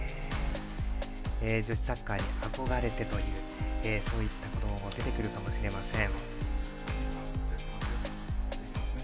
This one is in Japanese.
女子サッカーに憧れてというそういった子どもも出てくるかもしれません。